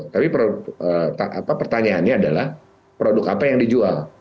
tapi pertanyaannya adalah produk apa yang dijual